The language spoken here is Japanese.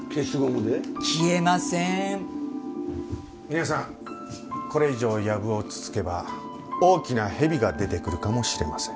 皆さんこれ以上籔をつつけば大きな蛇が出てくるかもしれません。